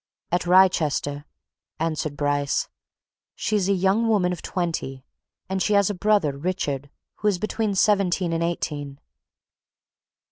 "At Wrychester," answered Bryce. "She is a young woman of twenty, and she has a brother, Richard, who is between seventeen and eighteen."